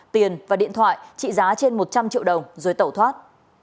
tiền và điện thoại trị giá trên một trăm linh triệu đồng rồi tẩu thoát